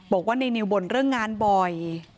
บอกว่าในนิวบ่นเรื่องงานบ่อย